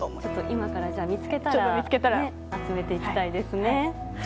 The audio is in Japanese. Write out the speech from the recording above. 今から見つけたら集めていきたいですね。